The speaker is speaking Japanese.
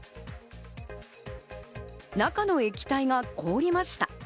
中の液体が凍りました。